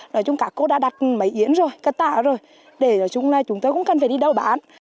nói chung các cô đã đặt mấy yến rồi cắt tạ rồi để nói chung là chúng tôi cũng cần phải đi đâu bán